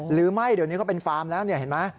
หรือไม่เดี๋ยวนี้เขาเป็นฟาร์มแล้วเนี่ยเห็นไหม